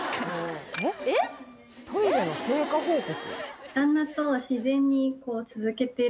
「トイレの成果報告」？